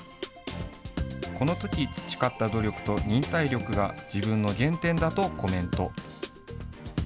このとき培った努力と忍耐力が自分の原点だとコメント。